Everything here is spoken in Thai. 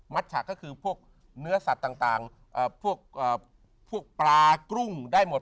ฉะก็คือพวกเนื้อสัตว์ต่างพวกปลากุ้งได้หมด